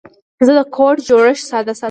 زه د کوډ جوړښت ساده ساتم.